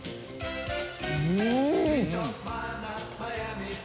うん！